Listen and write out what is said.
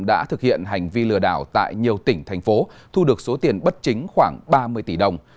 đã thực hiện hành vi lừa đảo tại nhiều tỉnh thành phố thu được số tiền bất chính khoảng ba mươi tỷ đồng